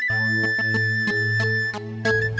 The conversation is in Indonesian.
kang didang wanjungin mas suha